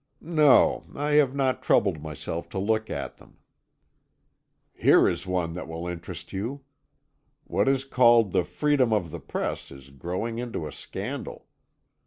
"No I have not troubled myself to look at them." "Here is one that will interest you. What is called the freedom of the press is growing into a scandal.